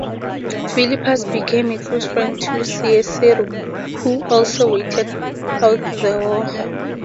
Philippus became a close friend of Cicero, who also waited out the war.